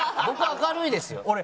僕明るいですよ。